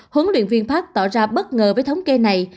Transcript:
huấn luyện viên park tỏ ra bất ngờ với thống kê này